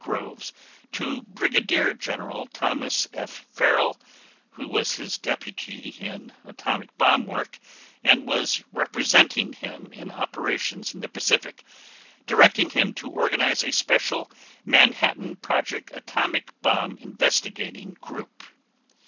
Groves to Brigadier General Thomas F. Farrell, who was his deputy in atomic bomb work and was representing him in operations in the Pacific, directing him to organize a special Manhattan Project Atomic Bomb Investigating Group.